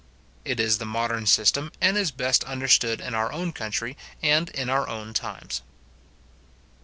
It is the modern system, and is best understood in our own country and in our own times.